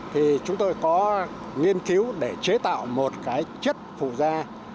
thì chúng tôi có nghiên cứu để chế tạo một cái chất phụ da